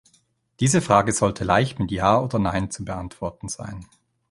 Diese Frage sollte leicht mit Ja oder Nein zu beantworten sein.